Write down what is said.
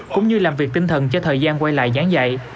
cũng như làm việc tinh thần cho thời gian quay lại giảng dạy